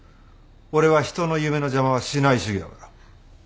俺は人の夢の邪魔はしない主義だから。